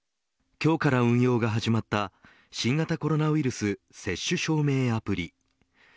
今日から運用が始まった新型コロナウイルス接種証明アプリ。